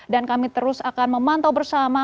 dan kami terus akan memantau bersama